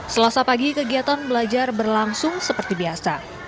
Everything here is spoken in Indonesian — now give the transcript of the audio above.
selasa pagi kegiatan belajar berlangsung seperti biasa